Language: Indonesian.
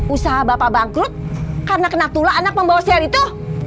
usaha bapak bangkrut karena kena tula anak membawa sel itu